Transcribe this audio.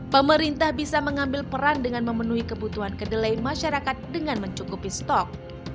pemerintah bisa mengambil peran dengan memenuhi kebutuhan kedelai masyarakat dengan mencukupi stok